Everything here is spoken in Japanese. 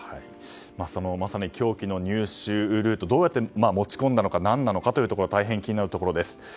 まさに凶器の入手ルートどうやって持ち込んだのか何なのかというところが大変気になるところです。